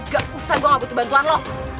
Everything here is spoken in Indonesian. gak usah gue gak butuh bantuan lo